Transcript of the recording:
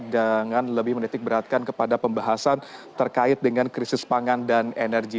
dengan lebih menitik beratkan kepada pembahasan terkait dengan krisis pangan dan energi